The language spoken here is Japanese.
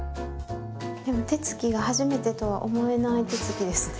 手つきが初めてとは思えない手つきですね。